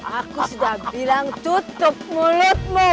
aku sudah bilang tutup mulutmu